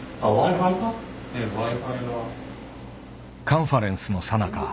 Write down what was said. カンファレンスのさなか。